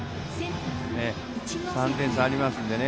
３点差ありますんでね